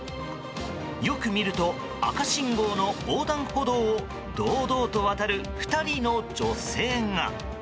よく見ると赤信号の横断歩道を堂々と渡る２人の女性が。